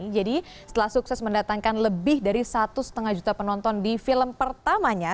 jadi setelah sukses mendatangkan lebih dari satu lima juta penonton di film pertamanya